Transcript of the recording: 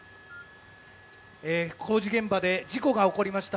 工事現場で事故が起こりました